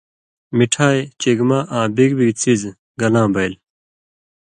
مِٹھائ، چِگمہ آں بِگ بِگ څیزہۡ گلاں بیئل